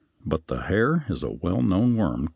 But the hair is a well known worm (Fig.